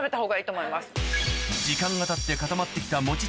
時間がたって固まって来たもち